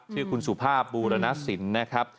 ชื่อคุณสุภาพบูรณสินนะครับ